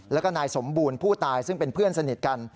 แล้วก็นายสมบูรณ์ผู้ตายซึ่งเป็นเพื่อนสนิทกัน